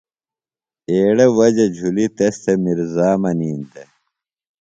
ایڑےۡ وجہ جُھلی تس تھےۡ میرزا منِین دےۡ